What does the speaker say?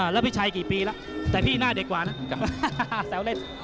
แล้วพี่ชัยกี่ปีนะแต่พี่น่าเด็กกว่านะ